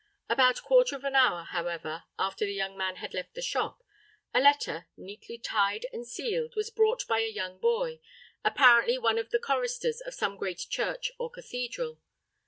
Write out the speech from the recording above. About quarter of an hour, however, after the young man had left the shop, a letter, neatly tied and sealed, was brought by a young boy, apparently one of the choristers of some great church or cathedral.